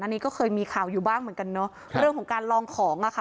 อันนี้ก็เคยมีข่าวอยู่บ้างเหมือนกันเนอะเรื่องของการลองของอ่ะค่ะ